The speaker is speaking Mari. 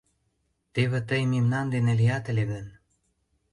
Теве тый мемнан дене лият ыле гын...